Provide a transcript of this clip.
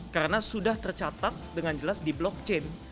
karena sudah tercatat dengan jelas di blockchain